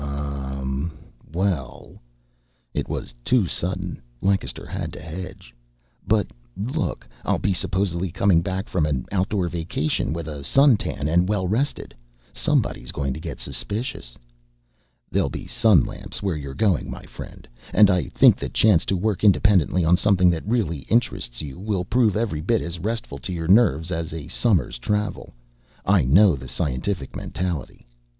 "Ummm well " It was too sudden. Lancaster had to hedge. "But look I'll be supposedly coming back from an outdoor vacation, with a suntan and well rested. Somebody's going to get suspicious." "There'll be sun lamps where you're going, my friend. And I think the chance to work independently on something that really interests you will prove every bit as restful to your nerves as a summer's travel. I know the scientific mentality."